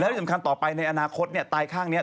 แล้วสำคัญต่อไปในอนาคตเนี่ยตายข้างเนี่ย